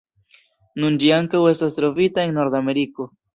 Nun ĝi ankaŭ estas trovita en Nordameriko.